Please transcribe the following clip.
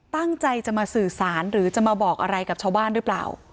ตั้งใจจะมาสื่อสารหรือจะมาบอกอะไรกับชาวบ้านหรือเปล่า